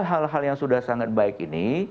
hal hal yang sudah sangat baik ini